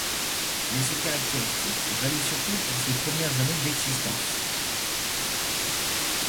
Mais ces caractéristiques valaient surtout pour ses premières années d'existence.